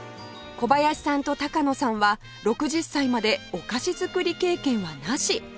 小林さんと野さんは６０歳までお菓子作り経験はなし